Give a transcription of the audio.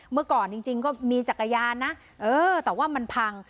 เมื่อก่อนจริงก็มีจักรยานนะเออแต่ว่ามันพัง